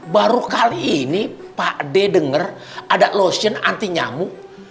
baru kali ini pak d dengar ada lotion anti nyamuk